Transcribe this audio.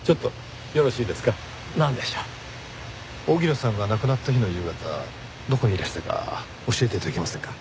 荻野さんが亡くなった日の夕方どこにいらしたか教えて頂けませんか？